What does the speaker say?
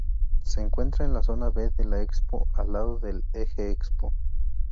Se encuentra en la zona B de la Expo, al lado del "Eje Expo".